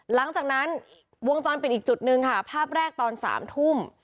หลังจากนั้นวงจรปิดอีกจุดหนึ่งค่ะภาพแรกตอน๓ทุ่ม